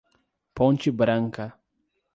Ponte Branca